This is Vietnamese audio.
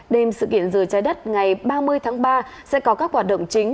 đêm sự kiện rửa trái đất ngày ba mươi tháng ba sẽ có các hoạt động chính